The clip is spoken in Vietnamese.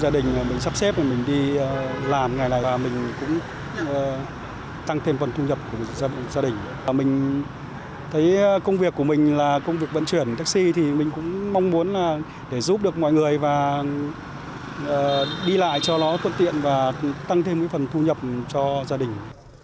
đi lại cho nó có tiện và tăng thêm phần thu nhập cho gia đình